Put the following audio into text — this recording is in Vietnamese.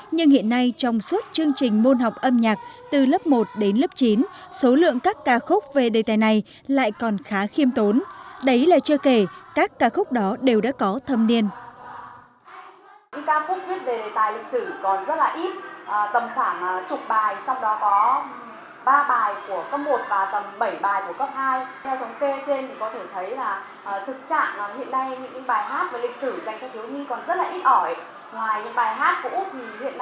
nhưng hiện nay chưa có bài hát mới phù hợp với lứa tuổi học sinh